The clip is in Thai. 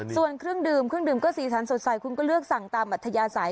ส่วนเครื่องดื่มเครื่องดื่มก็สีสันสดใสคุณก็เลือกสั่งตามอัธยาศัย